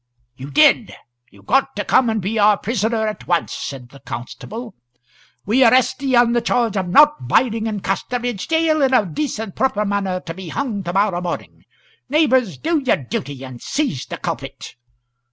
"You did; you've got to come and be our prisoner at once," said the constable. "We arrest ye on the charge of not biding in Casterbridge gaol in a decent, proper manner, to be hung to morrow morning. Neighbours, do your duty, and seize the culpet!"